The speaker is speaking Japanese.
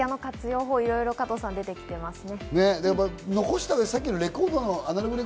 法、いろいろ加藤さん、出てきてますね。